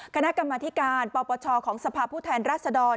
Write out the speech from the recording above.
คณะกรรมธิการปปชของสภาพผู้แทนราชดร